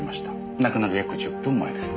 亡くなる約１０分前です。